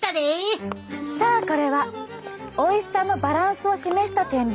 さあこれはおいしさのバランスを示した天秤。